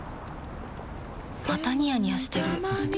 またニヤニヤしてるふふ。